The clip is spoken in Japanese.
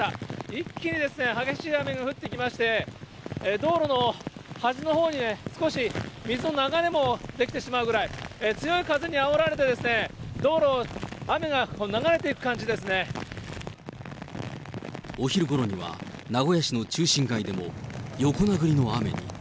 一気に激しい雨が降ってきまして、道路の端のほうにね、少し水の流れも出来てしまうぐらい、強い風にあおられてですね、道路、お昼ごろには、名古屋市の中心街でも横殴りの雨に。